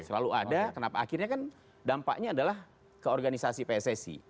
selalu ada kenapa akhirnya kan dampaknya adalah keorganisasi pssi